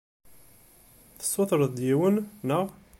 Tessutreḍ-d yiwen, naɣ?